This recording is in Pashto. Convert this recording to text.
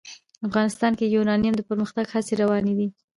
افغانستان کې د یورانیم د پرمختګ هڅې روانې دي.